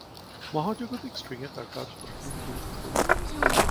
মহাজাগতিক স্ট্রিং-এ তাঁর কাজ অত্যন্ত গুরুত্বপূর্ণ।